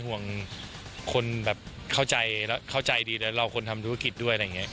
ห่วงคนแบบเข้าใจเข้าใจดีแล้วเราคนทำธุรกิจด้วยอะไรอย่างนี้